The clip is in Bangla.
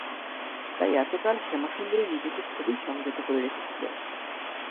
তাই এতকাল শ্যামাসুন্দরী নিজেকে খুবই সংযত করে রেখেছিল।